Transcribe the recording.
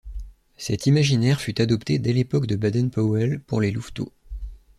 Cet imaginaire fut adopté dès l'époque de Baden-Powell pour les louveteaux.